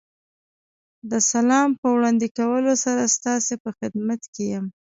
د سلام په وړاندې کولو سره ستاسې په خدمت کې یم.